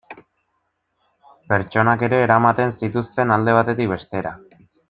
Pertsonak ere eramaten zituzten alde batetik bestera.